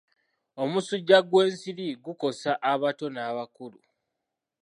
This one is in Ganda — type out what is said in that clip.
Omusujja gw'ensiri gukosa abato n'abakulu.